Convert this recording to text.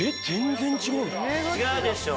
違うでしょ？